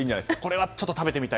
これはちょっと食べてみたい